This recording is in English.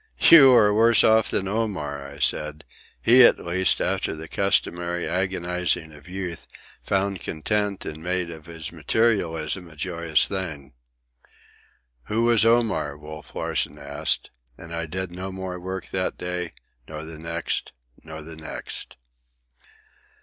"You are worse off than Omar," I said. "He, at least, after the customary agonizing of youth, found content and made of his materialism a joyous thing." "Who was Omar?" Wolf Larsen asked, and I did no more work that day, nor the next, nor the next.